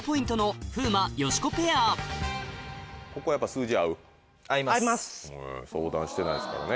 続いて相談してないですからね。